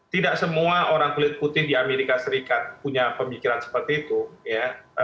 tidak semua orang kulit putih di amerika serikat punya pemikiran seperti itu ya